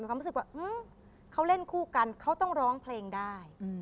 ความรู้สึกว่าเขาเล่นคู่กันเขาต้องร้องเพลงได้